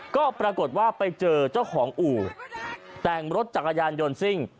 ก็ปรากฏว่าไปเจอเจ้าของอู่แต่งรถจักรยานยนต์ซิ่ง